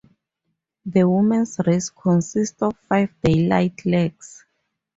The women's race consists of five daylight legs.